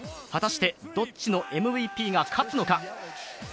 果たしてどっちのＭＶＰが勝つのか。